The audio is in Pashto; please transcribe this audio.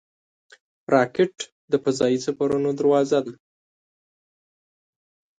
راکټ د فضايي سفرونو دروازه ده